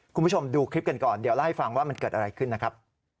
คุณผู้ชมดูคลิปกันก่อนเดี๋ยวเล่าให้ฟังว่ามันเกิดอะไรขึ้นนะครับ